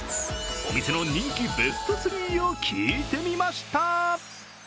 お店の人気ベスト３を聞いてみました。